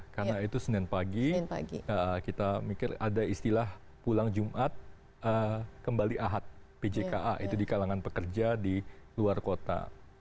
karena itu senin pagi kita mikir ada istilah pulang jumat kembali ahad pjka itu di kalangan pekerja di luar kota